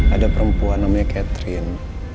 ada perempuan namanya catherine